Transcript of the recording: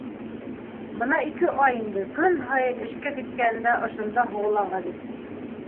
Бына ике ай инде, көн һайын эшкә киткәнендә ошонда һуғыла Ғариф.